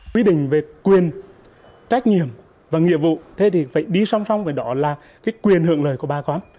quy định về quyền trách nhiệm và nghiệp vụ thế thì phải đi song song với đó là cái quyền hưởng lời của bà con